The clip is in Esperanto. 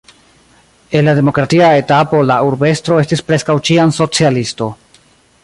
En la demokratia etapo la urbestro estis preskaŭ ĉiam socialisto.